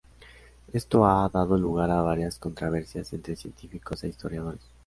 Esto ha dado lugar a varias controversias entre científicos e historiadores.